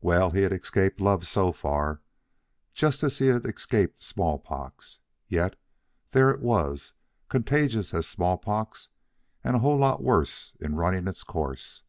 Well, he had escaped love so far, just as he had escaped smallpox; yet there it was, as contagious as smallpox, and a whole lot worse in running its course.